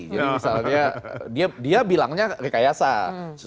jadi misalnya dia bilangnya rekayasa